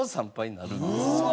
うわ！